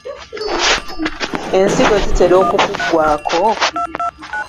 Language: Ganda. Ensigo zitera okukuggwaako?